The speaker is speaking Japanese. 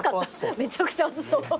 めちゃくちゃ熱そう。